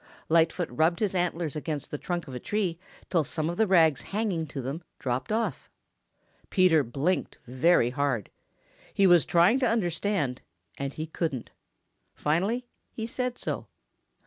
Lightfoot rubbed his antlers against the trunk of a tree till some of the rags hanging to them dropped off. Peter blinked very hard. He was trying to understand and he couldn't. Finally he said so.